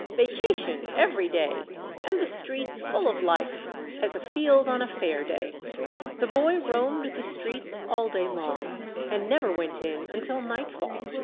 Vacation every day, and the streets full of life as a field on a fair day ! The boy roamed the streets all day long, and never went in until nightfall.